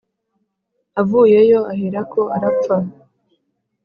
avuyeyo aherako arapfa."